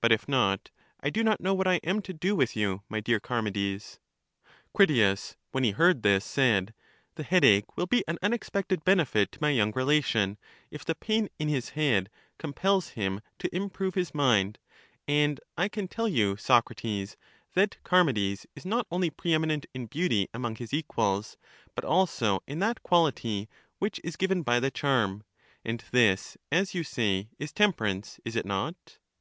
But if not, I do not know what J am to do with you, my dear Char mides. Critias, when he heard this, said: The headache will be an unexpected benefit to my young relation, if the pain in his head compels him to improve his mind: and I can tell you, Socrates, that Charmides is not only preeminent in beauty among his equals, but also in that quality which is given by the charm; and this, as you say, is temperance, is it not?